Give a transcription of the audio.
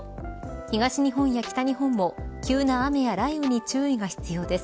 東日本や北日本も急な雨や雷雨に注意が必要です。